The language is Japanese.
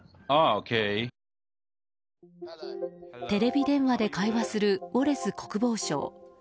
テレビ電話で会話するウォレス国防相。